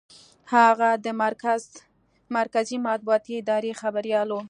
هغه د مرکزي مطبوعاتي ادارې خبریال و.